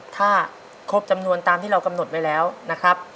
ถ้าครบจำนวนตามที่เรากำหนดไว้แล้วนะครับ